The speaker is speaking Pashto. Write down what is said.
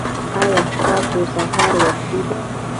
ایا ستاسو سهار وختي دی؟